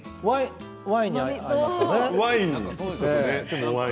ワインが合いますね。